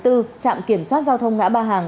trạm kiểm soát giao thông ngã ba hàng